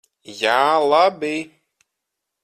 Jā, labi.